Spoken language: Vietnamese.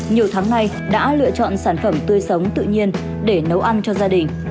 nhiều tháng nay đã lựa chọn sản phẩm tươi sống tự nhiên để nấu ăn cho gia đình